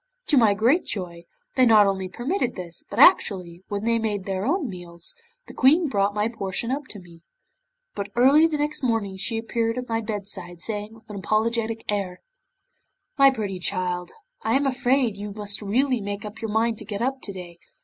To my great joy, they not only permitted this, but actually, when they had their own meals, the Queen brought my portion up to me. But early the next morning she appeared at my bedside, saying, with an apologetic air: '"My pretty child, I am afraid you must really make up your mind to get up to day.